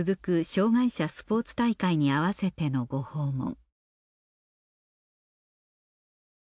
障害者スポーツ大会に合わせてのご訪問